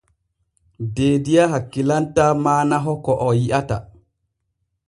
Deediya hakkilantaa maanaho ko o yi’ata.